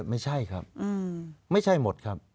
ไม่ใช่ครับไม่ใช่หมดครับ